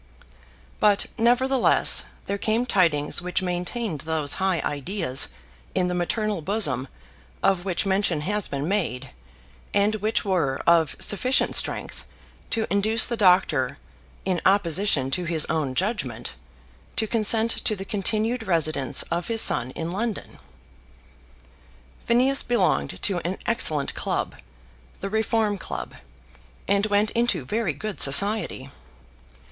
But, nevertheless, there came tidings which maintained those high ideas in the maternal bosom of which mention has been made, and which were of sufficient strength to induce the doctor, in opposition to his own judgment, to consent to the continued residence of his son in London. Phineas belonged to an excellent club, the Reform Club, and went into very good society.